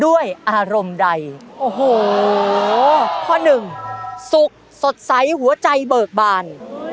ด้วยอารมณ์ใดโอ้โหข้อหนึ่งสุขสดใสหัวใจเบิกบาน